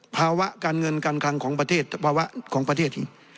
ภาวะการเงินการคลังของประเทศภาวะของประเทศอีก